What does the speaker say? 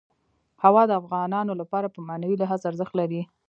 هوا د افغانانو لپاره په معنوي لحاظ ارزښت لري.